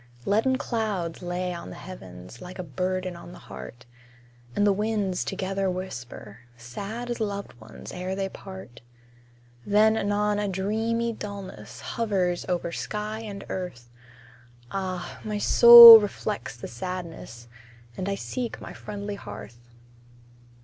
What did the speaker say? Leaden clouds lay on the heavens, Like a burden on the heart; And the winds together whisper, Sad as loved ones ere they part. Then anon a dreamy dullness Hovers over sky and earth; Ah! my soul reflects the sadness, And I seek my friendly hearth.